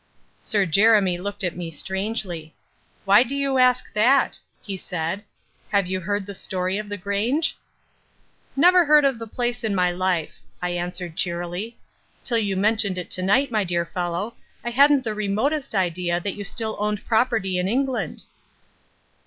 Sir Jeremy looked at me strangely. "Why do you ask that?" he said. "Have you heard the story of the Grange?" "Never heard of the place in my life," I answered cheerily. "Till you mentioned it to night, my dear fellow, I hadn't the remotest idea that you still owned property in England."